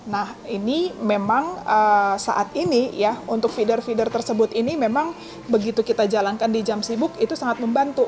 nah ini memang saat ini ya untuk feeder feeder tersebut ini memang begitu kita jalankan di jam sibuk itu sangat membantu